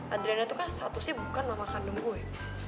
adriana tuh kan statusnya bukan mama kandung gue